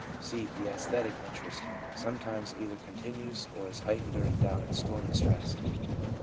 1 (c) The (Esthetic interest sometimes either continues or is heightened during doubt and storm and stress.